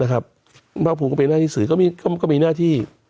ภาคภูมิก็มีหน้าที่สื่อก็มีหน้าที่